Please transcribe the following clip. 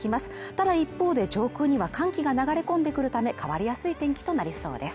ただ一方で上空には寒気が流れ込んでくるため変わりやすい天気となりそうです。